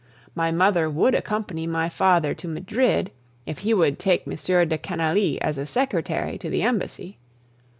My mother would accompany my father to Madrid if he would take M. de Canalis as a secretary to the embassy.